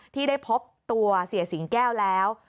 ที่ได้พบตัวเสียสิงแก้วแล้ว